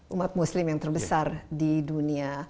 umat muslim yang terbesar di dunia